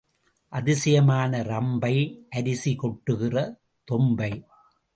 அதிசயமான ரம்பை, அரிசி கொட்டுகிற தொம்பை.